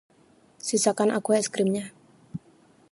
Sisakan aku es krimnya.